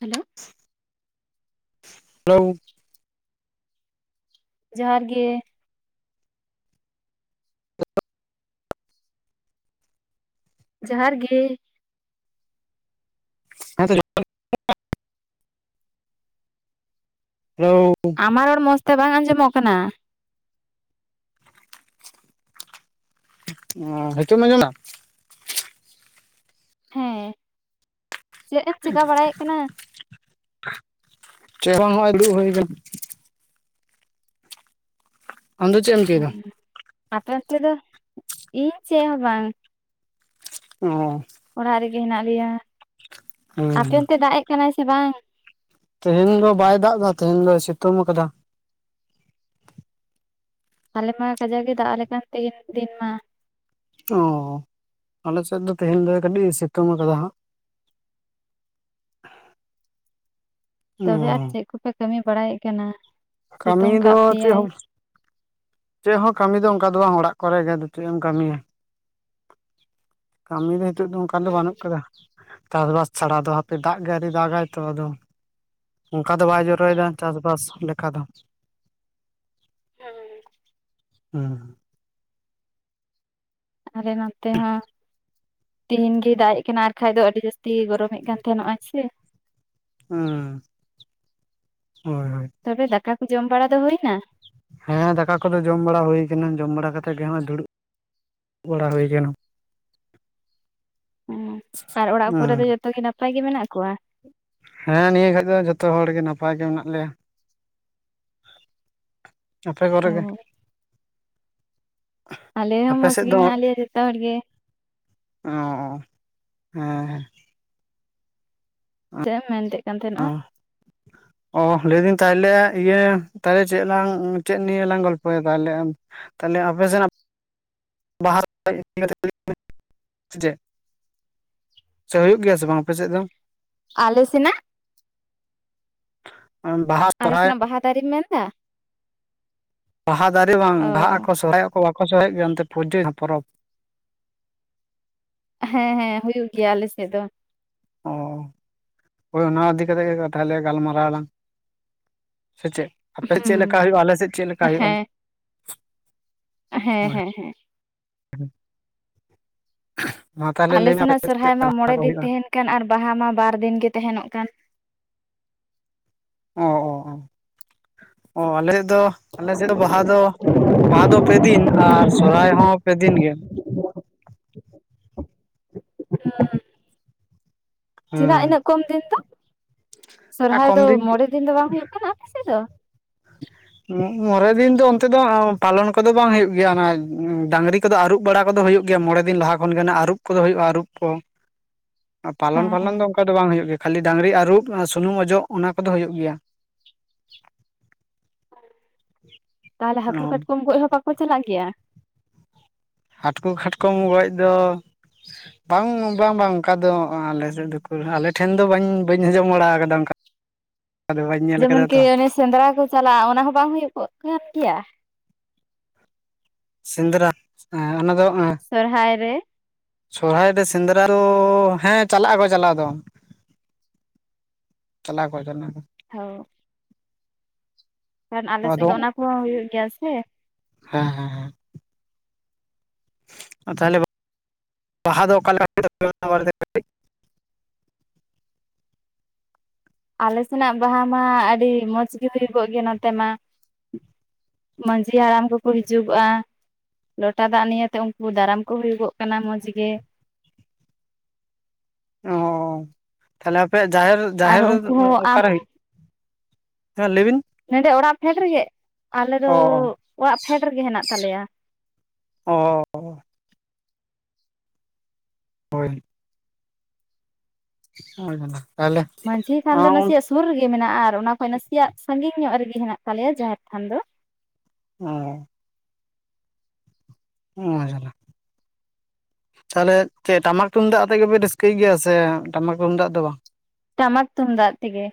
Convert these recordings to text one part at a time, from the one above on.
Hello, hello. [unintelligible] ᱡᱚᱦᱟᱨ ᱜᱮ, ᱡᱚᱦᱟᱨ ᱜᱮ᱾ ᱦᱮᱸ [inaudible] ᱦᱮᱞᱳ ᱟᱢᱟ ᱨᱚᱲ ᱢᱚᱡᱽ ᱛᱮ ᱵᱟᱝ ᱟᱸᱡᱚᱢᱚᱜ ᱠᱟᱱᱟ, ᱚ ᱦᱮᱛᱳᱢ ᱟᱡᱚᱢ ᱫᱟ? ᱦᱮᱸ ᱪᱮᱫ ᱮᱢ ᱪᱮᱠᱟ ᱵᱟᱲᱟᱭᱮᱫ ᱠᱟᱱᱟ ᱪᱮ ᱦᱚᱸᱵᱟᱝ ᱦᱚᱜ-ᱚᱭ ᱫᱩᱲᱩᱵ ᱦᱩᱭ ᱠᱟᱱᱟ᱾ [unintelligible] ᱟᱢ ᱫᱚ ᱪᱮ ᱮᱢᱼᱼ ᱟᱯᱮ ᱚᱱᱛᱮᱫᱚ ᱤᱧ ᱪᱮ ᱦᱚᱸ ᱵᱟᱝ᱾ ᱚᱻ ᱚᱲᱟᱜ ᱨᱮᱜᱮ ᱦᱮᱱᱟᱜ ᱞᱮᱭᱟ ᱟᱯᱮ ᱦᱮᱸ ᱚᱱᱛᱮ ᱫᱟᱜ ᱮᱜ ᱠᱟᱱᱟᱭ ᱥᱮ ᱵᱟᱝᱼᱼ ᱛᱮᱦᱮᱱ ᱫᱚ ᱵᱟᱭ ᱫᱟᱜ ᱫᱟ ᱛᱮᱦᱮᱱ ᱫᱚᱭ ᱥᱮᱛᱳᱝ ᱟᱠᱟᱫᱟ᱾ ᱟᱞᱮ ᱢᱟ ᱠᱟᱡᱟᱜ ᱜᱮ ᱫᱟᱜ ᱟᱞᱮ ᱠᱟᱱ ᱛᱮᱦᱮᱱ ᱫᱤᱱ ᱢᱟ᱾ ᱳ ᱟᱞᱮ ᱥᱮᱫ ᱫᱚ ᱛᱮᱦᱮᱧ ᱫᱚ ᱠᱟᱹᱴᱤᱡ ᱥᱤᱛᱩᱝ ᱠᱟᱫᱟ ᱦᱟᱸᱜ᱾ [unintelligible] ᱚ ᱛᱚᱵᱮ ᱟᱨ ᱪᱮᱫ ᱠᱚᱯᱮ ᱠᱟᱹᱢᱤ ᱵᱟᱲᱟᱭᱮᱜ ᱠᱟᱱᱟ ᱠᱟᱹᱢᱤ ᱥᱤᱛᱩᱝ ᱠᱟᱜ ᱯᱮᱭᱟᱭ ᱪᱮᱜ ᱦᱚᱸ ᱠᱟᱹᱢᱤ ᱫᱚ ᱚᱱᱠᱟ ᱫᱚ ᱚᱲᱟᱜ ᱠᱚᱨᱮ ᱜᱮ ᱟᱫᱚ ᱪᱮᱜ ᱮᱢ ᱠᱟᱢᱤᱭᱟ-ᱠᱟᱢᱤ ᱫᱚ ᱦᱤᱛᱚᱜ ᱫᱚ ᱚᱝᱠᱟ ᱫᱚ ᱵᱟᱹᱱᱩᱜ ᱠᱟᱫᱟ ᱪᱟᱥ ᱵᱟᱥ ᱪᱷᱟᱲᱟ ᱫᱚ ᱦᱟᱯᱮ ᱫᱟᱜ ᱜᱮ ᱟᱨᱤ ᱫᱟᱜᱟᱭ ᱛᱚ ᱟᱫᱚ ᱚᱱᱠᱟ ᱫᱚ ᱵᱟᱭ ᱡᱚᱨᱚᱭᱮᱫᱟ ᱪᱟᱥᱵᱟᱥ ᱞᱮᱠᱟ ᱫᱚ᱾ ᱦᱮᱸ ᱦᱩᱸ ᱟᱞᱮ ᱱᱚᱛᱮ ᱦᱚᱸ ᱛᱮᱦᱤᱱ ᱜᱮ ᱫᱟᱜᱮᱡ ᱠᱟᱱᱟ ᱟᱨᱠᱟᱡ ᱫᱚ ᱟᱹᱰᱤ ᱡᱟᱹᱥᱛᱤ ᱛᱤ ᱜᱚᱨᱚᱢᱮᱫ ᱠᱟᱱ ᱛᱟᱦᱮᱱᱚᱜᱼᱟᱭ ᱥᱮ, ᱦᱩᱸ ᱦᱳᱭ ᱦᱳᱭ ᱛᱚᱵᱮ ᱫᱟᱠᱟ ᱠᱚ ᱡᱚᱢ ᱵᱟᱲᱟ ᱫᱚ ᱦᱩᱭᱱᱟ᱾ ᱦᱮᱸ ᱫᱟᱠᱟ ᱠᱚᱫᱚ ᱡᱚᱢ ᱵᱟᱲᱟ ᱦᱩᱭ ᱠᱟᱱᱟ᱾ ᱡᱚᱢ ᱵᱟᱲᱟ ᱠᱟᱛᱮᱜ ᱜᱮ ᱦᱚᱜ ᱚᱭ ᱫᱩᱲᱩᱵ ᱵᱟᱲᱟ ᱦᱩᱭ ᱠᱟᱱᱟ᱾ ᱦᱮᱸ ᱟᱨ ᱚᱲᱟᱜ ᱠᱚᱨᱮ ᱫᱚ ᱡᱚᱛᱚ ᱜᱮ ᱱᱟᱯᱟᱭ ᱜᱮ ᱢᱮᱱᱟᱜ ᱠᱚᱣᱟ? ᱦᱮᱸ ᱱᱤᱭᱟᱹ ᱜᱷᱟᱲᱤᱪ ᱫᱚ ᱡᱷᱚᱛᱚ ᱦᱚᱲ ᱜᱮ ᱱᱟᱯᱟᱭ ᱜᱮ ᱢᱮᱱᱟᱜ ᱞᱮᱭᱟ᱾ ᱟᱯᱮ ᱠᱚᱨᱮ ᱚ ᱜᱮ ᱟᱞᱮ ᱦᱚᱸ ᱟᱯᱮ ᱢᱚᱸᱡᱽ ᱥᱮᱫ ᱜᱮ ᱫᱚ ᱢᱮᱱᱟᱜ ᱞᱮᱭᱟ ᱡᱚᱛᱚ ᱦᱚᱲ ᱜᱮ᱾ ᱚ ᱦᱮᱸ ᱦᱮᱸ ᱪᱮᱫ ᱮᱢ ᱢᱮᱱᱛᱮ ᱠᱟᱱ ᱛᱟᱦᱮᱱᱚᱜᱼᱟ? ᱚ ᱞᱟᱹᱭᱫᱟᱹᱧ ᱛᱟᱦᱚᱞᱮ ᱤᱭᱟᱹ ᱛᱟᱦᱚᱞᱮ ᱪᱮᱫ ᱞᱟᱝ ᱪᱮᱫ ᱱᱤᱭ ᱞᱟᱝ ᱜᱚᱞᱯᱚᱭᱟ ᱛᱟᱦᱚᱞᱮ᱾ ᱛᱟᱦᱚᱞᱮ ᱟᱯᱮ ᱥᱮᱱᱟᱜ ᱵᱟᱦᱟ ᱥᱚᱦᱨᱟᱭ ᱤᱫᱤ ᱠᱟᱛᱮ ᱠᱟ. ᱴᱤᱡ ᱞᱟ. ᱭ ᱢᱮ ᱥᱮ ᱪᱮᱫ ᱥᱮ ᱦᱩᱭᱩᱜ ᱜᱮᱭᱟ ᱥᱮ ᱵᱟᱝ ᱟᱯᱮᱥᱮᱫ ᱫᱚ? ᱟᱞᱮᱥᱮᱱᱟᱜ [inaudible] ᱩ ᱵᱟᱦᱟ ᱟᱞᱮ ᱥᱚᱨᱦᱟᱭ ᱥᱮᱱᱟᱜ ᱵᱟᱦᱟ ᱫᱟᱨᱮᱢ ᱢᱮᱱᱫᱟ? ᱵᱟᱦᱟ ᱫᱟᱨᱮ ᱵᱟᱝ, ᱚ ᱵᱟᱦᱟᱜ ᱟᱠᱚ ᱥᱚᱦᱨᱟᱭ ᱟᱠᱚ ᱵᱟᱠᱚ ᱥᱚᱦᱨᱟᱭᱚᱜ ᱜᱮᱭᱟ ᱚᱱᱛᱮ ᱯᱩᱡᱟᱹ ᱯᱚᱨᱚᱵᱽ ᱦᱮᱸ ᱦᱮᱸ ᱦᱩᱭᱩᱜ ᱜᱮᱭᱟ ᱟᱞᱮᱥᱮᱫ ᱫᱚ᱾ ᱚ ᱦᱳᱭ ᱚᱱᱟ ᱤᱫᱤ ᱠᱟᱛᱮ ᱜᱮ ᱛᱟᱦᱚᱞᱮ ᱜᱟᱞᱢᱟᱨᱟᱣ ᱟᱞᱟᱝ ᱥᱮ ᱪᱮᱫ ᱟᱯᱮ ᱦᱩᱸ ᱪᱮᱫᱞᱮᱠᱟ ᱦᱩᱭᱩᱜᱼᱟ ᱟᱞᱮ ᱥᱮᱫ ᱪᱮᱫᱞᱮᱠᱟ ᱦᱩᱭᱩᱜᱼᱟ᱾ ᱦᱮᱸ ᱦᱮᱸ ᱦᱳᱭ ᱦᱮᱸ ᱦᱮᱸ ᱢᱟ ᱛᱟᱦᱚᱞᱮ ᱟᱞᱮ ᱞᱟᱹᱭ ᱢᱮ‌ ᱟᱯᱮ ᱥᱮᱱᱟᱜ ᱥᱮᱫ ᱥᱚᱨᱦᱟᱭ ᱪᱮᱫ ᱢᱟ ᱢᱚᱬᱮ [unintelligible] ᱠᱚ ᱫᱤᱱ ᱦᱩᱭᱩᱜᱼᱟ᱾ ᱛᱟᱦᱮᱱ ᱠᱟᱱ ᱟᱨ ᱵᱟᱦᱟ ᱢᱟ ᱵᱟᱨ ᱫᱤᱱ ᱜᱮ ᱛᱟᱦᱮᱱᱚᱜ ᱠᱟᱱ᱾ ᱚ ᱚ ᱟᱞ ᱥᱮᱫ ᱫᱚ ᱟᱞᱮ ᱥᱮᱫ ᱫᱚ ᱵᱟᱦᱟ ᱫᱚ ᱵᱟᱦᱟ ᱫᱚ ᱯᱮ ᱫᱤᱱ ᱟᱨ ᱥᱚᱨᱦᱟᱭ ᱦᱚᱸ ᱯᱮ ᱫᱤᱱ ᱜᱮ᱾ [unintelligible] ᱪᱮᱫᱟᱜ ᱦᱮᱸ ᱤᱱᱟᱹᱜ ᱠᱚᱢ ᱫᱤᱱ ᱫᱚ, ᱟᱨ ᱥᱚᱨᱦᱟᱭ ᱫᱚ ᱠᱚᱢ ᱢᱚᱬᱮ ᱫᱤᱱ ᱫᱚ ᱵᱟᱝ ᱦᱩᱭᱩᱜ ᱠᱟᱱᱟ ᱟᱯᱮᱥᱮ ᱫᱚ᱾ ᱢᱚᱨᱮ ᱫᱤᱱ ᱫᱚ ᱚᱱᱛᱮ ᱫᱚ ᱯᱟᱞᱚᱱ ᱠᱚᱫᱚ ᱵᱟᱝ ᱦᱩᱭᱩᱜ ᱜᱮᱭᱟ ᱚᱱᱟ ᱰᱟᱝᱨᱤ ᱠᱚᱫᱚ ᱟᱹᱨᱩᱵ ᱵᱟᱲᱟ ᱠᱚᱫᱚ ᱦᱩᱭᱩᱜ ᱜᱮᱭᱟ, ᱢᱚᱬᱮ ᱫᱤᱱ ᱞᱟᱦᱟ ᱠᱷᱚᱱ ᱜᱮ ᱱᱟᱜ ᱟᱨᱩᱵ ᱠᱚᱫᱚ ᱦᱩᱭᱩᱜᱼᱟ ᱟᱹᱨᱩᱵ ᱠᱚ᱾ [unintelligible] ᱯᱟᱞᱚᱱ ᱦᱮᱸ ᱯᱟᱞᱚᱱ ᱫᱚ ᱚᱱᱠᱟ ᱫᱚ ᱵᱟᱝ ᱦᱩᱭᱩᱜ ᱜᱮᱭᱟ ᱠᱷᱟᱹᱤ ᱰᱟᱝᱨᱤ ᱟᱹᱨᱩᱵ ᱥᱩᱱᱩᱢ ᱚᱡᱚᱜ ᱚᱱᱟ ᱠᱚᱫᱚ ᱦᱩᱭᱩᱜ ᱜᱮᱭᱟ᱾ ᱛᱟᱦᱞᱮ ᱦᱟᱹᱠᱩ ᱠᱟᱴᱠᱚᱢ ᱜᱚᱡ ᱦᱚᱸ ᱵᱟᱠᱚ ᱪᱟᱞᱟᱜ ᱜᱮᱭᱟ? ᱦᱟᱹᱴᱠᱩ ᱠᱷᱟᱴᱠᱚᱢ ᱜᱚᱡ ᱫᱚ ᱵᱟᱝ ᱵᱟᱝ ᱵᱟᱝ ᱚᱱᱠᱟ ᱫᱚ ᱟᱞᱮ ᱥᱮᱫ ᱫᱚ ᱩᱠᱩᱨ ᱦᱟᱜ ᱟᱞᱮ ᱴᱷᱮᱱ ᱫᱚ ᱵᱟᱝ ᱵᱟᱹᱧ ᱟᱡᱚᱢ ᱵᱟᱲᱟ ᱠᱟᱫᱟ ᱚᱱᱠᱟ ᱟᱫᱚ ᱵᱟᱹᱧ ᱧᱮᱞ ᱟᱠᱟᱫᱟ ᱡᱮᱢᱚᱱᱠᱤ ᱛᱚ ᱚᱱᱮ ᱥᱮᱸᱫᱽᱨᱟ ᱠᱚ ᱪᱟᱞᱟᱜᱼᱟ ᱚᱱᱟ ᱦᱚᱸ ᱵᱟᱝ ᱦᱩᱭᱩᱜ ᱠᱟᱱ ᱜᱮᱭᱟ ᱥᱮᱸᱫᱽᱨᱟ ᱮᱸ ᱚᱱᱟ ᱫᱚ ᱥᱚᱨᱦᱟᱭ ᱨᱮ᱾ ᱥᱚᱨᱚᱦᱟᱭ ᱨᱮ ᱥᱮᱸᱫᱽᱨᱟ ᱫᱚ ᱦᱮᱸ ᱪᱟᱞᱟᱜᱼᱟ ᱠᱚ ᱪᱟᱞᱟᱣ ᱫᱚ᱾ ᱪᱟᱞᱟᱜ-ᱟ ᱠᱚ ᱪᱟᱞᱟᱜ-ᱟ ᱠᱚ᱾ ᱦᱳ᱾ ᱠᱷᱟᱱ ᱟᱞᱮ ᱥᱮᱫ ᱟᱫᱚ ᱫᱚ ᱚᱱᱟ ᱠᱚᱦᱚᱸ ᱦᱩᱭᱩᱜ ᱜᱮᱭᱟ ᱥᱮ᱾ ᱦᱮᱸ ᱦᱮᱸ ᱦᱮᱸ᱾ ᱚ ᱛᱟᱦᱚᱞᱮ ᱵᱟᱦᱟ ᱫᱚ ᱚᱠᱟ ᱞᱮᱠᱟ [inaudible] ᱟᱞᱮ ᱥᱮᱱᱟᱜ ᱵᱟᱦᱟ ᱢᱟ ᱟᱹᱰᱤ ᱢᱚᱡᱽ ᱜᱮ ᱦᱩᱭᱩᱜᱚᱜ ᱜᱮᱭᱟ ᱱᱚᱛᱮ ᱢᱟ᱾ ᱢᱟᱺᱡᱷᱤ ᱦᱟᱲᱟᱢ ᱠᱚᱠᱚ ᱦᱤᱡᱩᱜᱚᱜᱼᱟ᱾ ᱞᱚᱴᱟ ᱫᱟᱜ ᱱᱤᱭᱟᱹᱛᱮ ᱩᱱᱠᱩ ᱫᱟᱨᱟᱢ ᱠᱚ ᱦᱩᱭᱩᱜᱚᱜ ᱠᱟᱱᱟ ᱢᱚᱸᱡᱽ ᱜᱮ᱾ ᱚ ᱛᱟᱦᱚᱞᱮ ᱟᱯᱮᱭᱟᱜ ᱡᱟᱦᱮᱨ ᱟᱨ ᱡᱟᱦᱮᱨ ᱩᱱᱠᱩ ᱦᱚᱸ ᱟᱢ ᱚᱠᱟᱨᱮ ᱦᱩᱭᱩᱜ? ᱦᱮᱸ ᱞᱟᱹᱭᱵᱤᱱ᱾ ᱱᱮᱰᱮ ᱚᱲᱟᱜ ᱯᱷᱮᱰ ᱨᱮᱜᱮ? ᱟᱞᱮ ᱫᱚ ᱚ ᱚᱲᱟᱜ ᱯᱷᱮᱰ ᱨᱮᱜᱮ ᱦᱮᱱᱟᱜ ᱛᱟᱞᱮᱭᱟ᱾ ᱚ ᱚ᱾ ᱦᱳᱭ᱾ ᱚ ᱡᱟᱞᱟ᱾ ᱛᱟᱦᱚᱞᱮ ᱢᱟᱺᱡᱷᱤ ᱛᱷᱟᱱ ᱫᱚ ᱱᱟᱥᱮᱭᱟᱜ ᱥᱩᱨ ᱨᱮᱜᱮ ᱢᱮᱱᱟᱜᱼᱟ ᱟᱨ ᱚᱱᱟ ᱠᱷᱚᱡ ᱱᱟᱥᱮᱭᱟᱜ ᱥᱟᱺᱜᱤᱧ ᱧᱚᱜ ᱨᱮᱜᱮ ᱦᱮᱱᱟᱜ ᱛᱟᱞᱮᱭᱟ ᱡᱟᱦᱮᱨ ᱛᱷᱟᱱ ᱫᱚ᱾ ᱚ᱾ ᱚ ᱡᱟᱞᱟ᱾ ᱛᱟᱦᱚᱞᱮ ᱪᱮᱫ ᱴᱟᱢᱟᱠ ᱛᱩᱢᱫᱟᱜ ᱟᱛᱮᱜ ᱜᱮᱯᱮ ᱨᱟᱹᱥᱠᱟᱹᱭ ᱜᱮᱭᱟ ᱥᱮ ᱴᱟᱢᱟᱠ ᱛᱩᱢᱫᱟᱜ ᱫᱚ ᱵᱟᱝ? ᱴᱟᱢᱠ ᱛᱩᱢᱫᱟᱜ ᱛᱮᱜᱮ,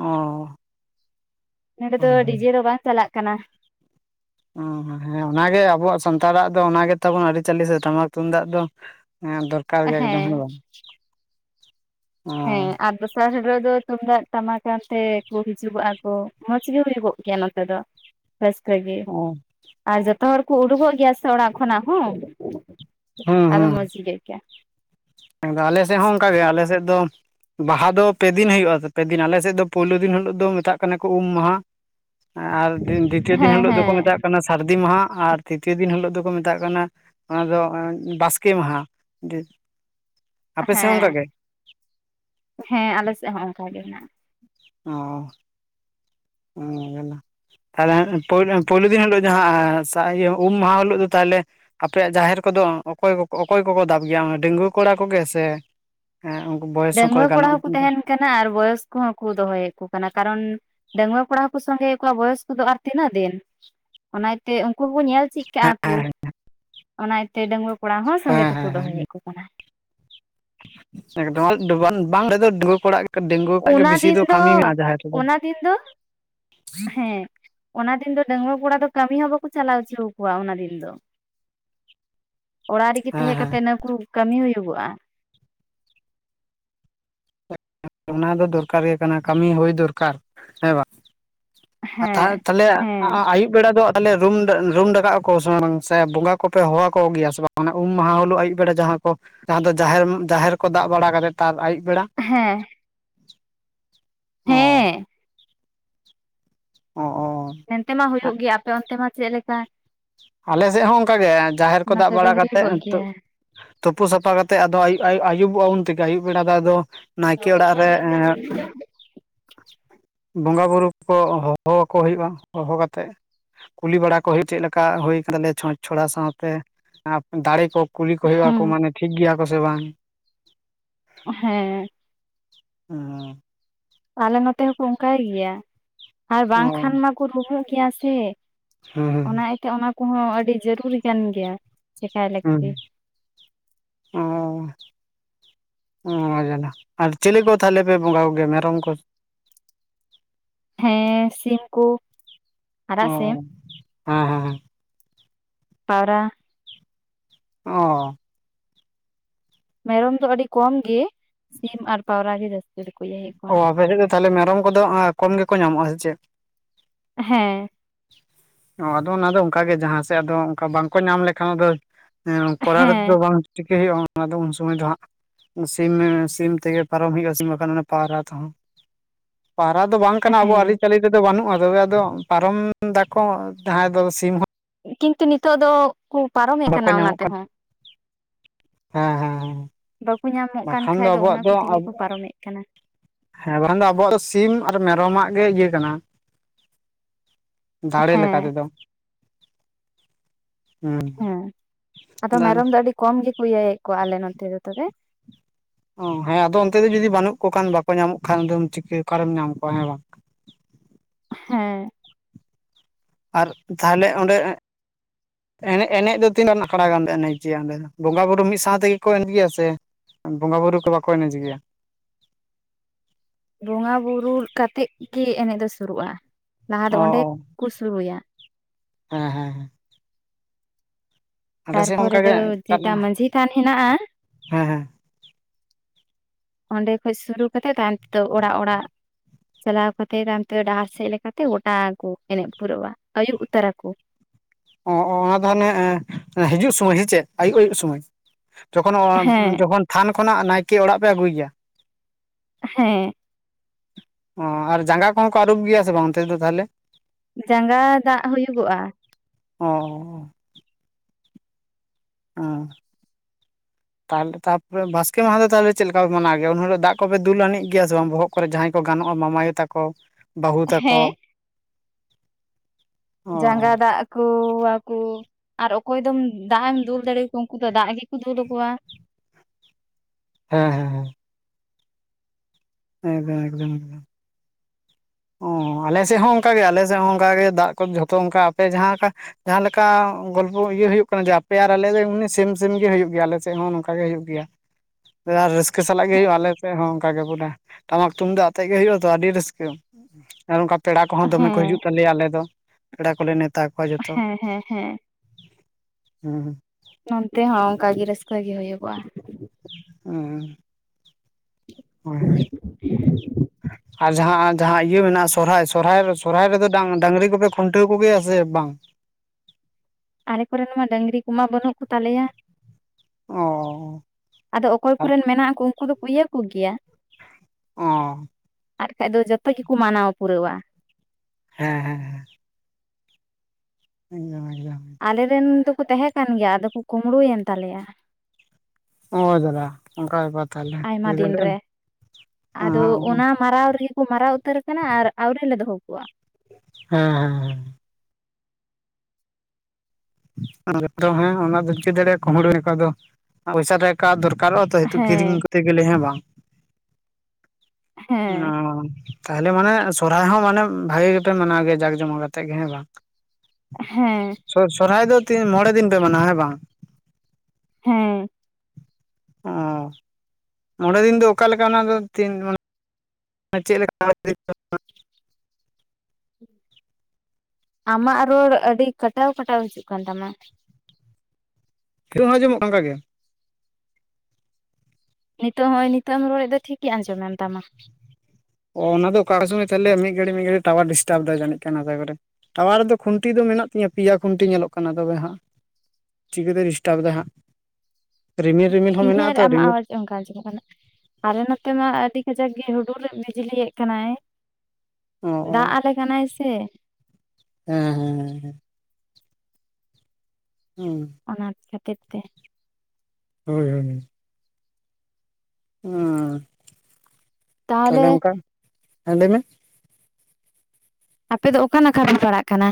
ᱚ ᱱᱚᱰᱮ ᱫᱚ ᱦᱳᱭ ᱰᱤ ᱦᱳᱭ ᱡᱮ ᱫᱚ ᱵᱟᱝ ᱪᱟᱞᱟᱜ ᱠᱟᱱᱟ᱾ ᱚ ᱦᱮᱸ ᱚᱱᱟᱜᱮ ᱟᱵᱚᱣᱟᱜ ᱥᱟᱱᱛᱟᱲᱟᱜ ᱫᱚ ᱚᱱᱟᱜᱮ ᱛᱟᱵᱚᱱ ᱟᱹᱨᱤᱪᱟᱹᱞᱤ ᱥᱮ ᱴᱟᱢᱟᱠ ᱛᱩᱢᱫᱟᱜ ᱫᱚ ᱮᱸ ᱫᱚᱨ ᱦᱮᱸ᱾ ᱦᱮᱸ ᱟᱨ ᱫᱚᱥ ᱥᱟᱨ ᱦᱤᱞᱳᱜ ᱫᱚ ᱛᱩᱢᱫᱟᱜ ᱴᱟᱢᱟᱠ ᱟᱱ ᱛᱮ ᱠᱚ ᱦᱤᱡᱩᱜᱚᱜᱼᱟ ᱠᱚ ᱢᱚᱸᱡᱽ ᱜᱮ ᱦᱩᱭᱩᱜᱚᱜ ᱜᱮᱭᱟ ᱱᱚᱛᱮ ᱫᱚ᱾ ᱨᱟᱹᱥᱠᱟᱹ ᱜᱮ ᱚ ᱟᱨ ᱡᱷᱚᱛᱚ ᱦᱚᱲ ᱠᱚ ᱩᱰᱩᱠᱚᱜ ᱜᱮᱭᱟ ᱥᱮ ᱚᱲᱟᱜ ᱠᱷᱚᱱᱟᱜ ᱦᱚᱸ᱾ ᱦᱩᱸ ᱟᱫᱚ ᱢᱚᱡᱽ ᱜᱮ ᱟᱭᱠᱟᱹᱜ-ᱟ᱾ ᱮᱠᱫᱚᱢ ᱟᱞᱮ ᱥᱮᱫ ᱦᱚᱸ ᱚᱱᱠᱟ ᱜᱮ ᱟᱞᱮ ᱥᱮᱫ ᱫᱚ ᱵᱟᱦᱟ ᱫᱚ ᱯᱮ ᱫᱤᱱ ᱦᱩᱭᱩᱜᱼᱟ ᱛᱚ ᱯᱮ ᱫᱤᱱ ᱟᱞᱮ ᱥᱮᱫ ᱫᱚ ᱯᱳᱭᱞᱳ ᱫᱤᱱ ᱦᱳᱞᱳᱜ ᱫᱚ ᱢᱮᱛᱟᱜ ᱠᱟᱱᱟ ᱠᱚ ᱩᱢ ᱢᱟᱦᱟ᱾ ᱟᱨ ᱫᱤ ᱫᱤᱛᱤᱭᱚ ᱫᱤᱱ ᱦᱮᱸ ᱦᱤᱞᱳᱜ ᱫᱚᱠᱚ ᱦᱮᱸ ᱢᱮᱛᱟᱜ ᱠᱟᱱᱟ ᱥᱟᱹᱨᱫᱤ ᱢᱟᱦᱟ ᱟᱨ ᱛᱨᱤᱛᱤᱭᱚ ᱫᱤᱱ ᱦᱤᱞᱳᱜ ᱫᱚᱠᱚ ᱢᱮᱛᱟᱜ ᱠᱟᱱᱟ ᱚᱱᱟ ᱫᱚ ᱮᱸ ᱵᱟᱥᱠᱮ ᱢᱟᱦᱟ, ᱟᱯᱮ ᱥᱮᱱ ᱦᱚᱸ ᱚᱱᱠᱟ ᱦᱮᱸ ᱜᱮ? ᱦᱮᱸ ᱟᱞᱮ ᱥᱮᱫ ᱦᱚᱸ ᱚᱱᱠᱟ ᱜᱮ ᱦᱮᱱᱟᱜᱼᱟ᱾ ᱚ᱾ ᱚ ᱡᱟᱞᱟ᱾ ᱛᱟᱞᱦᱮ ᱦᱟᱸᱜ ᱯᱚᱭᱞᱳ ᱯᱳᱭᱞᱳ ᱫᱤᱱ ᱦᱤᱞᱳᱜ ᱡᱟᱦᱟᱸ ᱮᱸ ᱥᱟ ᱤᱭᱟᱹ ᱩᱢ ᱢᱟᱦᱟ ᱦᱤᱞᱳᱜ ᱫᱚ ᱛᱟᱦᱚᱞᱮ ᱟᱯᱮᱭᱟᱜ ᱡᱟᱦᱮᱨ ᱠᱚᱫᱚ ᱚᱠᱚᱭ ᱠᱚᱠᱚ ᱚᱠᱚᱭ ᱠᱚᱠᱚ ᱫᱟᱵ ᱜᱮᱭᱟ ᱚᱱᱮ ᱰᱟᱝᱜᱩᱭᱟᱹ ᱠᱚᱲᱟ ᱠᱚᱜᱮ ᱥᱮ ᱮᱸ ᱩᱱᱠᱩ ᱵᱚᱭᱮᱥ ᱦᱚᱸᱠᱚ ᱰᱟᱺᱜᱩᱣᱟᱹ ᱠᱚᱲᱟ ᱜᱟᱱᱚᱜ ᱜᱮ ᱦᱚᱸᱠᱚ ᱜᱟᱱᱚᱜ ᱜᱮᱭᱟ? ᱛᱟᱦᱮᱱ ᱠᱟᱱᱟ ᱟᱨ ᱵᱚᱭᱚᱥ ᱠᱚᱦᱚᱸ ᱠᱚ ᱫᱚᱦᱚᱭᱮᱫ ᱠᱚ ᱠᱟᱱᱟ ᱠᱟᱨᱚᱱ ᱰᱟᱟᱝᱣᱟᱹ ᱠᱚᱲᱟ ᱦᱚᱸᱠᱚ ᱥᱚᱸᱜᱮ ᱠᱚᱣᱟ ᱵᱚᱭᱚᱥ ᱠᱚᱫᱚ ᱟᱨ ᱛᱤᱱᱟᱹᱜ ᱫᱤᱱ᱾ ᱚᱱᱟ ᱮᱛᱮ ᱩᱱᱠᱩ ᱦᱚᱸᱠᱚ ᱧᱮᱞ ᱪᱤᱫ ᱠᱟᱜᱼᱟ ᱠᱚ, ᱦᱮᱸ ᱚᱱᱟ ᱮᱛᱮ ᱰᱟᱹᱝᱜᱩᱭᱟᱹ ᱠᱚᱲᱟ ᱦᱚᱸ ᱥᱚᱸᱜᱮ ᱦᱮᱸ ᱛᱮᱠᱚ ᱦᱮᱸ ᱫᱚᱦᱚᱭᱮᱫ ᱠᱚ ᱠᱟᱱᱟ᱾ ᱮᱠᱫᱚᱢ [inaudible] ᱚᱸᱰᱮᱫᱚ ᱰᱟᱺᱜᱽᱣᱟᱹ ᱠᱚᱲᱟᱣᱟᱜ ᱜᱮ ᱰᱟᱺᱜᱽᱣᱟᱹ ᱠᱚᱲᱟᱣᱟᱜ ᱜᱮ ᱚᱱᱟ ᱵᱮᱥᱤ ᱫᱤᱱ ᱫᱚ ᱠᱟᱹᱢᱤ ᱢᱮᱱᱟᱜᱼᱟ ᱡᱟᱦᱮᱨ ᱨᱮᱫᱚ᱾ ᱚᱱᱟ ᱫᱤᱱ ᱫᱚ ᱦᱮᱸ᱾ ᱚᱱᱟ ᱫᱤᱱ ᱫᱚ ᱰᱟᱹᱝᱨᱟᱹ ᱠᱚᱲᱟ ᱫᱚ ᱠᱟᱹᱢᱤ ᱦᱚᱸ ᱵᱟᱠᱚ ᱪᱟᱞᱟᱣ ᱦᱚᱪᱚ ᱟᱠᱚᱣᱟ ᱚᱱᱟ ᱫᱤᱱ ᱫᱚ᱾ ᱚᱲᱟᱜ ᱨᱮᱜᱮ ᱦᱮᱸ ᱛᱟᱦᱮᱸ ᱠᱟᱛᱮᱫ ᱦᱮᱸ ᱤᱱᱟᱹᱠᱩ ᱠᱟᱹᱢᱤ ᱦᱩᱭᱩ ᱜᱚᱜ-ᱟ᱾ ᱚᱱᱟ ᱫᱚ ᱫᱚᱨᱠᱟᱨ ᱜᱮ ᱠᱟᱱᱟ ᱠᱟᱹᱢᱤ ᱦᱳᱭ ᱫᱚᱨᱠᱟᱨ᱾ ᱦᱮᱸ ᱵᱟ ᱟᱨ ᱛᱷᱟ ᱦᱮᱸ ᱛᱷᱟᱞᱮ ᱟᱸᱻ ᱦᱮᱸ ᱟᱹᱭᱩᱵ᱾ ᱟᱹᱭᱩᱵ ᱵᱮᱲᱟ ᱫᱚ ᱛᱟᱞᱦᱮ ᱨᱩᱢ, ᱨᱩᱢ ᱰᱟᱠᱟᱜ ᱟᱠᱚ ᱥᱮ ᱵᱟᱝ? ᱥᱮ ᱵᱚᱸᱜᱟ ᱠᱚ ᱯᱮ ᱦᱚᱦᱚᱣᱟ ᱠᱚ ᱜᱮᱭᱟ ᱥᱮ ᱵᱟᱝ? ᱢᱟᱱᱮ ᱩᱢ ᱢᱟᱦᱟ ᱦᱤᱞᱳᱜ ᱟᱹᱭᱩᱵ ᱵᱮᱲᱟ ᱡᱟᱦᱟ ᱠᱚ ᱡᱟᱦᱟ ᱫᱚ ᱡᱟᱦᱮᱨ, ᱡᱟᱦᱮᱨ ᱠᱚ ᱫᱟᱵ ᱵᱟᱲᱟ ᱠᱟᱛᱮᱫ ᱛᱟᱨ ᱟᱹᱭᱩᱵ ᱵᱮᱲᱟ᱾ ᱦᱮᱸ᱾ ᱚ᱾ ᱦᱮᱸ ᱚ, ᱚ᱾ ᱱᱚᱛᱮ ᱢᱟ ᱦᱩᱭᱩᱜ ᱜᱮ ᱟᱯᱮ ᱚᱱᱛᱮ ᱢᱟ ᱪᱮᱫ ᱞᱮᱠᱟ? ᱟᱞᱮ ᱥᱮᱫ ᱦᱚᱸ ᱚᱱᱠᱟ ᱜᱮ ᱡᱟᱦᱮᱨ ᱠᱚ ᱫᱟᱜ ᱱᱚᱛᱮ ᱫᱚ ᱵᱟᱲᱟ ᱠᱟᱛᱮᱫ ᱦᱩᱭᱩᱜᱚᱜ ᱦᱤᱛᱳᱜ ᱜᱮᱭᱟ ᱛᱩᱯᱩ ᱥᱟᱯᱷᱟ ᱠᱟᱛᱮᱜ ᱟᱫᱚ ᱟᱹᱭᱩᱵ, ᱟᱹᱭᱩᱵ ᱵᱚᱜᱼᱟ ᱩᱱ ᱛᱮᱜᱮ ᱟᱹᱭᱩᱵ ᱵᱮᱲᱟ ᱫᱚ ᱟᱫᱚ ᱱᱟᱭᱠᱮ ᱚᱲᱟᱜ ᱨᱮ᱾ ᱵᱚᱸᱜᱟ ᱵᱩᱨᱩ ᱠᱚ ᱦᱚᱦᱚ ᱟᱠᱚ ᱦᱳᱭᱳᱜᱼᱟ ᱦᱚᱦᱚ ᱠᱟᱛᱮ ᱠᱩᱞᱤ ᱵᱟᱲᱟ ᱠᱚ ᱦᱳᱭᱳᱜ ᱪᱮᱫ ᱞᱮᱠᱟ ᱦᱳᱭ ᱠᱟᱱ ᱛᱟᱞᱮᱭᱟ ᱪᱷᱚᱸᱪ ᱪᱷᱚᱲᱟ ᱥᱟᱶᱛᱮ ᱟᱯ ᱫᱟᱲᱮ ᱠᱚ ᱠᱩᱞᱤ ᱠᱚ ᱦᱳᱭᱳᱜ-ᱟ ᱟᱠᱚ ᱦᱮᱸ ᱢᱟᱱᱮ ᱴᱷᱤᱠ ᱜᱮᱭᱟ ᱠᱚ ᱥᱮ ᱵᱟᱝ? ᱦᱮᱸ᱾ ᱦᱚᱸ᱾ ᱟᱞᱮ ᱱᱚᱛᱮ ᱦᱚᱸᱠᱚ ᱚᱱᱠᱟᱭ ᱜᱮᱭᱟ᱾ ᱟᱨ ᱵᱟᱝ ᱠᱷᱟᱱ ᱢᱟᱠᱚ ᱨᱩᱢᱩᱜ ᱜᱮᱭᱟ ᱥᱮ᱾ ᱦᱩᱸ, ᱦᱩᱸ᱾ ᱚᱱᱟ ᱮᱱᱛᱮ ᱚᱱᱟ ᱠᱚᱦᱚᱸ ᱟᱹᱰᱤ ᱡᱟᱹᱨᱩᱲᱤ ᱠᱟᱱ ᱜᱮᱭᱟ᱾ ᱪᱮᱠᱟᱭ ᱦᱩᱸ ᱞᱟᱹᱠᱛᱤ ᱚ᱾ ᱚ ᱡᱟᱞᱟ ᱟᱨ ᱪᱮᱞᱮ ᱠᱚ ᱛᱷᱟᱞᱮ ᱯᱮ ᱵᱚᱸᱜᱟ ᱠᱚ ᱜᱮᱭᱟ ᱢᱮᱨᱚᱢ ᱠᱚ? ᱦᱮᱸ ᱥᱤᱢ ᱠᱚ᱾ ᱚ ᱟᱨᱟᱜ ᱥᱤᱢ ᱦᱚ, ᱦᱚᱸ, ᱦᱚᱸ᱾ ᱯᱟᱣᱨᱟ᱾ ᱚ᱾ ᱢᱮᱨᱚᱢ ᱫᱚ ᱟᱹᱰᱤ ᱠᱚᱢ ᱜᱮ ᱥᱤᱢ ᱟᱨ ᱯᱟᱣᱨᱟ ᱜᱮ ᱡᱟᱹᱥ ᱚ ᱟᱯᱮ ᱥᱮᱫ ᱫᱚ ᱛᱟᱞᱦᱮ ᱢᱮᱨᱚᱢ ᱠᱚᱫᱚ ᱠᱚᱢ ᱜᱮᱠᱚ ᱧᱟᱢᱚᱜᱼᱟ ᱥᱮ ᱪᱮᱫ? ᱦᱮᱸ᱾ ᱚ ᱟᱫᱚ ᱚᱱᱟ ᱫᱚ ᱚᱱᱠᱟ ᱜᱮ ᱡᱟᱦᱟ ᱥᱮᱫ ᱟᱫᱚ ᱚᱱᱠᱟ ᱵᱟᱝ ᱠᱚ ᱧᱟᱢ ᱞᱮᱠᱷᱟᱱ ᱟᱫᱚ ᱠᱚᱨᱟᱣ ᱨᱮᱫᱚ ᱦᱮᱸ ᱵᱟᱝ ᱪᱤᱠᱟᱹᱭ ᱦᱳᱭᱳᱜᱼᱟ ᱚᱱᱟᱫᱚ ᱩᱱ ᱥᱚᱢᱚᱭ ᱫᱚ ᱦᱟᱸᱜ ᱥᱤᱢ ᱥᱤᱢ ᱛᱮᱜᱮ ᱯᱟᱨᱚᱢ ᱦᱩᱭᱩᱜᱼᱟ ᱥᱤᱢ ᱵᱟᱝᱠᱷᱟᱱ ᱚᱱᱟ ᱯᱟᱣᱨᱟ ᱛᱮᱦᱚᱸ, ᱯᱟᱣᱨᱟ ᱫᱚ ᱵᱟᱝ ᱠᱟᱱᱟ ᱟᱵᱚᱣᱟᱜ ᱟᱹᱨᱤ ᱦᱮᱸ ᱪᱟᱹᱞᱤ᱾ ᱵᱟᱹᱱᱩᱜ-ᱟ ᱛᱚᱵᱮ ᱟᱫᱚ ᱯᱟᱨᱚᱢ ᱫᱟᱠᱚ ᱡᱟᱦᱟᱭ ᱫᱚ ᱥᱤᱢ ᱦᱚᱸ ᱠᱤᱱᱛᱩ ᱱᱤᱛᱳᱜ ᱫᱚᱠᱚ ᱯᱟᱨᱚᱢ ᱮᱜ ᱵᱟᱠᱚ ᱠᱟᱱᱟ ᱚᱱᱟ ᱧᱟᱢᱚᱜ ᱛᱮᱦᱚᱸ᱾ ᱦᱮᱸ ᱦᱮᱸ ᱦᱮᱸ ᱵᱟᱠᱚ ᱧᱟᱢᱚᱜ ᱠᱟᱱ ᱠᱷᱟᱡ ᱫᱚ ᱚᱱᱟ ᱠᱚ ᱛᱮᱜᱮ ᱠᱚ ᱯᱟᱨᱚᱢ ᱮᱜ ᱠᱟᱱᱟ᱾ ᱦᱮᱸ ᱵᱟ ᱠᱷᱟᱱ ᱫᱚ ᱟᱵᱚᱣᱟᱜ ᱫᱚ ᱥᱤᱢ ᱟᱨ ᱢᱮᱨᱚᱢᱟᱜ ᱜᱮ ᱤᱭᱟᱹ ᱠᱟᱱᱟ᱾ ᱫᱟᱲᱮ ᱦᱮᱸ ᱞᱮᱠᱟᱛᱮ ᱫᱚ᱾ ᱦᱮᱸ ᱟᱫᱚ ᱢᱮᱨᱚᱢ ᱫᱚ ᱟᱹᱰᱤ ᱠᱚᱢ ᱜᱮᱠᱚ ᱤᱭᱟᱹᱭᱮᱜ ᱠᱚᱣᱟ ᱟᱞᱮ ᱱᱚᱛᱮ ᱫᱚ ᱛᱚᱵᱮ᱾ ᱚ ᱦᱮᱸ ᱟᱫᱚ ᱚᱱᱛᱮ ᱫᱚ ᱡᱩᱫᱤ ᱵᱟᱹᱱᱩᱜ ᱠᱚ ᱠᱷᱟᱱ ᱵᱟᱠᱚ ᱧᱟᱢᱚᱜ ᱠᱷᱟᱱ ᱟᱫᱚᱢ ᱪᱤᱠᱟᱹ ᱚᱠᱟᱨᱮᱢ ᱧᱟᱢ ᱠᱚᱣᱟ ᱦᱮᱸ ᱵᱟᱝ᱾ ᱦᱮᱸ᱾ ᱟᱨ ᱛᱟᱦᱞᱮ ᱚᱸᱰᱮ ᱮᱱᱮᱡ ᱮᱱᱮᱡ ᱫᱚ ᱛᱤᱱᱟᱜ ᱟᱠᱷᱲᱟ ᱜᱟᱱ ᱯᱮ ᱮᱱᱮᱡᱽ ᱜᱮᱭᱟᱸᱚᱰᱮ ᱫᱚ ᱵᱚᱸᱜᱟ ᱵᱩᱨᱩ ᱢᱤᱫ ᱥᱟᱶ ᱛᱮᱜᱮ ᱠᱚ ᱮᱱᱮᱡ ᱜᱮᱭᱟ ᱥᱮ? ᱵᱚᱸᱜᱟ ᱵᱩᱨᱩ ᱠᱚ ᱵᱟᱠᱚ ᱮᱱᱮᱡᱽ ᱜᱮᱭᱟ᱾ ᱵᱚᱸᱜᱟ ᱵᱩᱨᱩ ᱠᱟᱛᱮᱫ ᱜᱮ ᱮᱱᱮᱡ ᱫᱚ ᱥᱩᱨᱩᱜ-ᱟ ᱞᱟᱦᱟ ᱫᱚ ᱚ ᱚᱸᱰᱮ ᱚ ᱠᱚ ᱥᱩᱨᱩᱭᱟ᱾ ᱦᱮᱸ, ᱦᱮᱸ, ᱟᱞᱮ ᱥᱮᱫ ᱛᱟᱨᱯᱚᱨᱮ ᱚᱱᱠᱟ ᱜᱮ ᱫᱚ ᱪᱮᱛᱟ ᱪᱟᱞᱟᱜ ᱢᱟᱹᱡᱷᱤ ᱛᱷᱟᱱ ᱦᱮᱱᱟᱜᱼᱟ, ᱦᱮᱸ, ᱦᱮᱸ, ᱚᱸᱰᱮ ᱠᱷᱚᱡ ᱥᱩᱨᱩ ᱠᱟᱛᱮᱫ ᱛᱟᱭᱚᱢ ᱛᱮᱫᱚ ᱚᱲᱟᱜ ᱚᱲᱟᱜ ᱪᱟᱞᱟᱣ ᱠᱟᱛᱮᱫ ᱛᱟᱭᱚᱢ ᱛᱮ ᱰᱟᱦᱟᱨ ᱥᱮᱫ ᱞᱮᱠᱟᱛᱮ ᱜᱚᱴᱟ ᱠᱚ ᱮᱱᱮᱡ ᱯᱩᱨᱟᱹᱣᱼᱟ, ᱟᱹᱭᱩᱵ ᱩᱛᱟᱹᱨᱟ ᱠᱚ᱾ ᱚ ᱚ ᱚᱱᱟ ᱫᱚ ᱦᱟᱱᱮ ᱦᱤᱡᱩᱜ ᱥᱩᱢᱚᱭ ᱥᱮ ᱪᱮᱫ ᱟᱭᱭᱩᱵ ᱟᱭᱭᱩᱵ ᱥᱩᱢᱚᱭ᱾ ᱡᱚᱠᱷᱚᱱ ᱚ, ᱦᱮᱸ ᱡᱚᱠᱷᱚᱱ ᱛᱷᱟᱱ ᱠᱷᱚᱱᱟᱜ ᱱᱟᱭᱠᱮ ᱚᱲᱟᱜ ᱯᱮ ᱟᱹᱜᱩᱭ ᱭᱮᱭᱟ? ᱦᱮᱸ, ᱚ ᱟᱨ ᱡᱟᱸᱜᱟ ᱠᱚᱦᱚᱸ ᱠᱚ ᱟᱹᱨᱩᱵ ᱜᱮᱭᱟ ᱥᱮ ᱵᱟᱝ ᱚᱱᱛᱮ ᱫᱚ ᱛᱟᱦᱞᱮ? ᱡᱟᱸᱜᱟ ᱫᱟᱜ ᱦᱩᱭᱩᱜᱚᱜᱼᱟ, ᱚ, ᱮᱸ, [inaudible] ᱛᱟᱦᱚᱞᱮ ᱛᱟᱯᱚᱨᱮ ᱵᱟᱥᱠᱮ ᱢᱟᱦᱟᱸ ᱫᱚ ᱛᱟᱦᱚᱞᱮ ᱪᱮᱫ ᱞᱮᱠᱟ ᱯᱮ ᱢᱟᱱᱟᱣ ᱜᱮᱭᱟ ᱩᱱ ᱦᱤᱞᱳᱜ ᱫᱟᱜ ᱠᱚᱯᱮ ᱫᱩᱞᱟᱱᱤᱡ ᱜᱮᱭᱟ ᱥᱮ ᱵᱟᱝ ᱵᱚᱦᱚᱜ ᱠᱚᱨᱮ ᱡᱟᱦᱟᱸᱭ ᱠᱚ ᱜᱟᱱᱚᱜᱼᱟ ᱢᱟᱢᱟᱭᱩ ᱛᱟᱠᱚ, ᱵᱟᱹᱦᱩ ᱛᱟᱠᱚ, ᱦᱮᱸ ᱚ ᱡᱟᱸᱜᱟ ᱫᱟᱜ ᱠᱩ ᱭᱟᱠᱩ ᱟᱨ ᱚᱠᱚᱭ ᱫᱚᱢ ᱫᱟᱜ ᱮᱢ ᱫᱩᱞ ᱫᱟᱲᱮᱭᱟᱠᱚᱣᱟ ᱩᱱᱠᱩ ᱫᱚ ᱫᱟᱜ ᱜᱮᱠᱚ ᱫᱩᱞ ᱟᱠᱚᱣᱟ᱾ ᱦᱮᱸ, ᱦᱮᱸ, ᱮᱠᱫᱚᱢ ᱮᱠᱫᱚᱢ ᱮᱠᱫᱚᱢ, ᱚ ᱟᱞᱮ ᱥᱮᱫ ᱦᱚᱸ ᱚᱱᱠᱟᱜ ᱜᱮ ᱟᱞᱮ ᱥᱮᱫ ᱦᱚᱸ ᱚᱱᱠᱟᱜᱮ ᱫᱟᱜ ᱠᱚ ᱡᱷᱚᱛᱚ ᱚᱱᱠᱟ ᱟᱯᱮ ᱡᱟᱦᱟᱸ ᱟᱠᱟ ᱡᱟᱦᱟᱸ ᱞᱮᱠᱟ ᱜᱚᱞᱯᱚ ᱤᱭᱟᱹ ᱦᱩᱭᱩᱜ ᱠᱟᱱᱟ ᱡᱮ ᱟᱯᱮ ᱟᱨ ᱟᱞᱮ ᱫᱚ ᱮᱢᱱᱤ ᱥᱮᱢ ᱥᱮᱢ ᱜᱮ ᱦᱳᱭᱳᱜ ᱜᱮᱭᱟ ᱟᱞᱮᱥᱮᱫ ᱦᱚᱸ ᱱᱚᱝᱠᱟ ᱜᱮ ᱦᱳᱭᱳᱜ ᱜᱮᱭᱟ᱾ [inaudible] ᱨᱟᱹᱥᱠᱟᱹ ᱥᱟᱞᱟᱜ ᱜᱮ ᱦᱩᱭᱩᱜᱼᱟ ᱟᱞᱮ ᱥᱮᱫ ᱦᱚᱸ ᱚᱱᱠᱟ ᱜᱮ ᱵᱚᱞᱮ ᱴᱟᱢᱟᱠ ᱛᱩᱢᱫᱟᱜ ᱟᱛᱮᱜ ᱜᱮ ᱦᱩᱭᱩᱜᱼᱟ ᱛᱚ ᱟᱰᱤ ᱨᱟᱹᱥᱠᱟᱹ᱾ ᱟᱨ ᱚᱱᱠᱟ ᱯᱮᱲᱟ ᱠᱚᱦᱚᱸ ᱫᱚᱢᱮ ᱠᱚ ᱦᱮᱸ ᱦᱤᱡᱩᱜ ᱛᱟᱞᱮᱭᱟ ᱟᱞᱮ ᱫᱚ ᱯᱮᱲᱟ ᱠᱚᱞᱮ ᱱᱮᱣ ᱛᱟ ᱠᱚᱣᱟ ᱡᱚᱛᱚ᱾ ᱦᱮᱸ ᱦᱮᱸ ᱦᱮᱸ ᱦᱩᱸ, ᱱᱚᱱᱛᱮ ᱦᱚᱸ ᱚᱝᱠᱟ ᱜᱮ ᱨᱟᱹᱥᱠᱟᱹᱜᱤ ᱦᱩᱭᱩᱜᱚᱜᱼᱟ᱾ ᱩᱸ, ᱦᱳᱭ, ᱦᱳᱭ, ᱟᱨ ᱡᱟᱦᱟᱸ ᱡᱟᱦᱟᱸ ᱤᱭᱟᱹ ᱢᱮᱱᱟᱜᱼᱟ ᱥᱚᱨᱦᱟᱭ, ᱥᱚᱨᱦᱟᱭ ᱥᱚᱨᱦᱟᱭ ᱨᱮᱫᱚ ᱰᱟᱝᱨᱤ ᱠᱚᱯᱮ ᱠᱷᱩᱱᱴᱟᱹᱣ ᱠᱚᱜᱮᱭᱟ ᱥᱮ ᱵᱟᱝ? ᱟᱞᱮ ᱠᱚᱨᱮᱱ ᱢᱟ ᱰᱟᱝᱨᱤ ᱠᱚᱢᱟ ᱵᱟᱹᱱᱩᱜ ᱠᱚᱛᱟᱞᱮᱭᱟ, ᱚ ᱟᱫᱚ ᱚᱠᱚᱭ ᱠᱚᱨᱮᱱ ᱢᱮᱱᱟᱜ ᱠᱚ ᱩᱱᱠᱩ ᱫᱚᱠᱚ ᱤᱭᱟᱹ ᱠᱚᱜᱮᱭᱟ, ᱚ, ᱟᱨᱠᱷᱟᱡ ᱫᱚ ᱡᱚᱛᱚ ᱜᱮᱠᱚ ᱢᱟᱱᱟᱣ ᱯᱩᱨᱟᱹᱣᱟ᱾ ᱦᱮᱸ, ᱦᱮᱸ, ᱮᱫᱚᱢ, ᱮᱠᱫᱚᱢ, ᱟᱞᱮᱨᱮᱱ ᱫᱚᱠᱚ ᱛᱟᱦᱮᱸ ᱠᱟᱱ ᱜᱮᱭᱟ ᱟᱫᱚ ᱠᱚ ᱠᱩᱢᱵᱽᱲᱩᱭᱮᱱ ᱛᱟᱞᱮᱭᱟ᱾ ᱳ ᱡᱟᱞᱟ ᱚᱱᱠᱟᱱ ᱵᱮᱯᱟᱨ ᱛᱟᱦᱞᱮ ᱟᱭᱢᱟ ᱦᱩᱭ ᱫᱤᱱ ᱨᱮ ᱫᱟᱲᱮᱜ-ᱟ, ᱟᱫᱚ ᱚᱸ ᱚᱱᱟ ᱢᱟᱨᱟᱣ ᱨᱮᱜᱮ ᱠᱚ ᱢᱟᱨᱟᱣ ᱩᱛᱟᱹᱨᱮ ᱠᱟᱱᱟ ᱟᱨ ᱟᱹᱣᱨᱤ ᱞᱮ ᱫᱚᱦᱚ ᱠᱚᱣᱟ᱾ ᱦᱮᱸ, ᱦᱮᱸ, ᱦᱮᱸ, ᱦᱮᱸ [unintelligible] ᱫᱚᱢ ᱪᱮᱫ ᱫᱟᱲᱮᱭᱟᱜᱼᱟ [unintelligible] ᱱᱟᱠᱚ ᱟᱫᱚ, ᱯᱚᱭᱥᱟ ᱴᱟᱠᱟ ᱫᱚᱨᱠᱟᱨᱚᱜᱼᱟ ᱛᱚ, ᱦᱤᱛᱚᱜ ᱠᱤᱨᱤᱧ ᱦᱮᱸ ᱠᱚᱛᱮ ᱜᱮᱞᱮ ᱦᱮᱸ ᱵᱟᱝ? ᱦᱮᱸ ᱚᱸ, ᱛᱟᱦᱚᱞᱮ ᱢᱟᱱᱮ ᱥᱚᱨᱦᱟᱭ ᱦᱚᱸ ᱢᱟᱱᱮ ᱵᱷᱟᱜᱮ ᱜᱮᱯᱮ ᱢᱟᱱᱟᱣ ᱜᱮᱭᱟ ᱡᱟᱠ ᱡᱚᱢᱚᱠ ᱟᱛᱮᱜ ᱜᱮ ᱦᱮᱸ ᱵᱟᱝ, ᱦᱮᱸ, ᱥᱚ ᱥᱚᱨᱦᱟᱭ ᱫᱚ ᱛᱤᱱ ᱢᱚᱬᱮ ᱫᱤᱱ ᱯᱮ ᱢᱟᱱᱟᱣᱟ ᱦᱮᱸ ᱵᱟᱝ? ᱦᱮᱸ ᱾ ᱚ, ᱢᱚᱬᱮ ᱫᱤᱱ ᱫᱚ ᱚᱠᱟᱞᱮᱠᱟ ᱚᱱᱟ ᱫᱚ ᱛᱤᱱ ᱚᱱᱟ ᱪᱮᱫ ᱞᱮᱠᱟ [unintelligible] ᱟᱢᱟᱜ ᱨᱚᱲ ᱟᱹᱰᱤ ᱠᱟᱴᱟᱣ ᱠᱟᱴᱟᱣ ᱦᱤᱡᱩᱜ ᱠᱟᱱ ᱛᱟᱢᱟ ᱾ ᱯᱷᱤᱨ ᱦᱚᱸ ᱟᱸᱡᱚᱢᱚᱜ ᱠᱟᱱᱟ ᱚᱝᱠᱟ ᱜᱮ? ᱱᱤᱛᱚᱜ ᱦᱚᱜᱼᱚᱭ ᱱᱤᱛᱚᱜ ᱮᱢ ᱨᱚᱲᱮᱫ ᱫᱚ ᱴᱷᱤᱠ ᱜᱮ ᱟᱸᱡᱚᱢᱮᱱ ᱛᱟᱢᱟ ᱾ ᱚ, ᱚᱱᱟ ᱫᱚ ᱚᱠᱟ ᱠᱚ ᱥᱚᱢᱚᱭ ᱛᱟᱦᱚᱞᱮ ᱢᱤᱫ ᱜᱷᱟᱲᱤ ᱢᱤᱫ ᱜᱷᱟᱲᱤ ᱴᱟᱣᱟᱨ ᱰᱤᱥᱴᱟᱵ ᱫᱟᱭ ᱡᱟᱱᱤᱡ ᱠᱷᱟᱱ ᱟᱥᱟ ᱠᱚᱨᱮ ᱾ ᱴᱟᱣᱟᱨ ᱨᱮᱫᱚ ᱠᱷᱩᱱᱴᱤ ᱫᱚ ᱢᱮᱱᱟᱜ ᱛᱤᱧᱟ ᱯᱮᱭᱟ ᱠᱷᱩᱱᱴᱤ ᱧᱮᱞᱚᱜ ᱠᱟᱱᱟ ᱾ ᱛᱚᱵᱮ ᱦᱟᱸᱜ ᱪᱤᱠᱟᱹᱛᱮ ᱰᱤᱥᱴᱟᱯ ᱫᱟᱭ ᱦᱟᱸᱜ? ᱤᱧᱟᱹᱜ ᱨᱮ ᱟᱢᱟᱜ ᱨᱤᱢᱤᱞ ᱟᱣᱟᱡᱽ ᱚᱝᱠᱟ ᱟᱸᱡᱚᱢᱚᱜ ᱠᱟᱱᱟ ᱾ ᱟᱨᱮ ᱱᱚᱛᱮ ᱢᱟ ᱟᱰᱤ ᱠᱟᱡᱟᱠ ᱜᱮ ᱦᱩᱰᱩᱨᱮᱜ ᱵᱤᱡᱽᱞᱤᱭᱮᱫ ᱠᱟᱱᱟᱭ ᱾ ᱚ ᱚ ᱫᱟᱜ ᱟᱞᱮ ᱠᱟᱱᱟᱭ ᱥᱮ ᱾ ᱦᱮᱸ ᱦᱮᱸ ᱦᱮᱸ ᱾ ᱦᱩᱸ ᱾ ᱚᱱᱟᱛ ᱠᱷᱟᱛᱤᱨ ᱛᱮ ᱾ ᱦᱳᱭ ᱦᱳᱭ ᱾ ᱚ, ᱛᱟᱦᱚᱞᱮ ᱚᱱᱠᱟ ᱦᱮᱸ ᱞᱟᱹᱭ ᱢᱮ ᱾ ᱟᱯᱮᱫ ᱫᱚ ᱚᱠᱟ ᱱᱟᱠᱷᱟ ᱯᱮ ᱯᱟᱲᱟᱜ ᱠᱟᱱᱟ?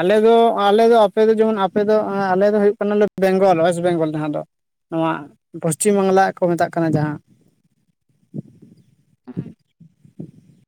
ᱟᱞᱮ ᱫᱚ ᱟᱞᱮ ᱫᱚ ᱟᱯᱮ ᱫᱚ ᱡᱮᱢᱚᱱ ᱟᱯᱮ ᱫᱚ ᱟᱞᱮ ᱫᱚ ᱦᱩᱭᱩᱜ ᱠᱟᱱᱟᱞᱮ ᱵᱮᱝᱜᱚᱞ ᱚᱭᱮᱥᱴ ᱵᱮᱝᱜᱚᱞ ᱡᱟᱦᱟᱸ ᱫᱚ ᱾ ᱱᱚᱣᱟ ᱯᱚᱥᱪᱤᱢ ᱵᱟᱝᱞᱟ ᱠᱚ ᱢᱮᱛᱟᱜ ᱠᱟᱱᱟ ᱡᱟᱦᱟᱸ ᱾ ᱦᱮᱸ ᱾